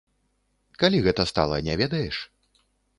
Калі гэта стала, не ведаеш?